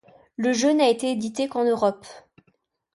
Le jeu n'a été édité qu'en Europe.